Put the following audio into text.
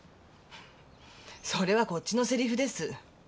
それはこっちのセリフです。